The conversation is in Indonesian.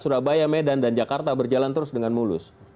surabaya medan dan jakarta berjalan terus dengan mulus